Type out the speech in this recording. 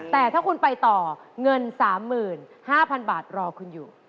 แต่ถ้าคุณไปต่อเงิน๓๕๐๐๐บาทรอคุณอยู่